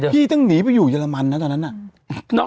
พี่ต้องหนีไปอยู่เรมันนะตอนนั้นน่ะ